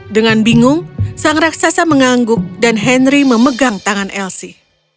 dengan bingung sang raksasa mengangguk dan henry memegang tangan elsi